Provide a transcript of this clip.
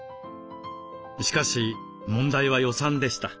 しかし問題は予算でした。